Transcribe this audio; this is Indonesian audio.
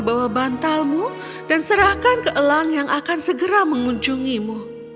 bawa bantalmu dan serahkan ke elang yang akan segera mengunjungimu